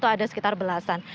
ada sekitar belasan